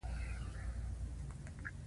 وبخښه زه لږ وخته پاڅېږم.